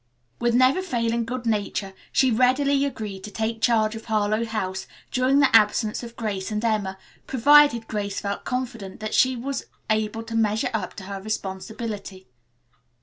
With never failing good nature she readily agreed to take charge of Harlowe House during the absence of Grace and Emma, provided Grace felt confident that she was able to measure up to her responsibility.